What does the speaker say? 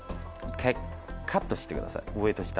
カットしてください上と下。